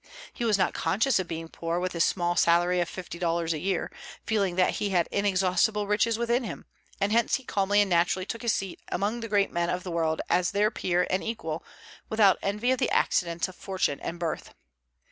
He was not conscious of being poor with his small salary of fifty dollars a year, feeling that he had inexhaustible riches within him; and hence he calmly and naturally took his seat among the great men of the world as their peer and equal, without envy of the accidents of fortune and birth.